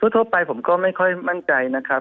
ทั่วไปผมก็ไม่ค่อยมั่นใจนะครับ